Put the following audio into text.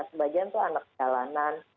sebagian itu anak jalanan